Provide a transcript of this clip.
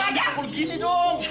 jangan dikabul gini dong